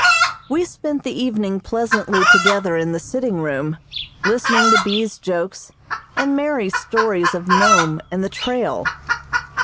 We spent the evening pleasantly together in the sitting room, listening to B.'s jokes, and Mary's stories of Nome and the "trail."